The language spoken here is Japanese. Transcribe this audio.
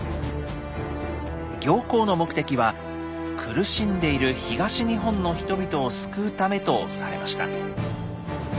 行幸の目的は「苦しんでいる東日本の人々を救うため」とされました。